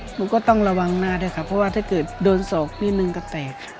หนูก็ต้องระวังหน้าด้วยค่ะเพราะว่าถ้าเกิดโดนศอกนิดนึงก็แตก